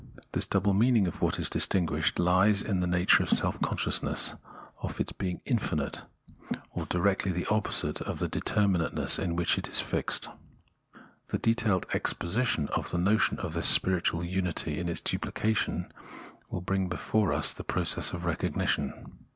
This double meaning of what is distinguished lies in the nature of self consciousness :— of its being infinite, or directly the opposite of the determinateness in which it is fixed. The detailed exposition of the notion of this spiritual unity in its duplication will bring before us the process of Recognition.